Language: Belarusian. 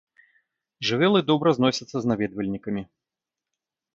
Жывёлы добра зносяцца з наведвальнікамі.